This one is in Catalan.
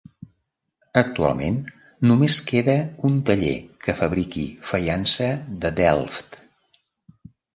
Actualment només queda un taller que fabriqui faiança de Delft.